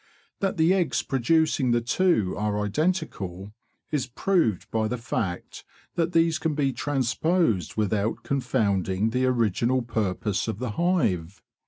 That the eggs producing the two are identical is proved by the fact that these can be transposed without con founding the original purpose of the hive.